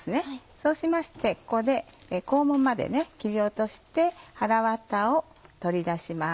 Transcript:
そうしましてここで肛門まで切り落としてはらわたを取り出します。